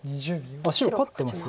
白勝ってます。